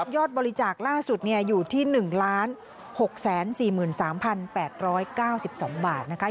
ยอดบริจาคล่าสุดอยู่ที่๑๖๔๓๘๙๒บาทนะคะ